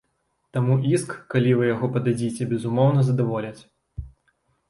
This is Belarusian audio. Таму іск, калі вы яго пададзіце, безумоўна, задаволяць.